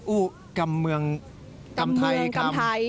อู้กำเมืองกำไทย